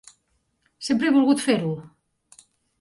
Sempre he volgut fer-ho!